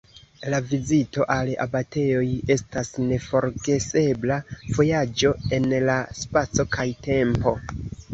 La vizito al abatejoj estas neforgesebla vojaĝo en la spaco kaj tempo.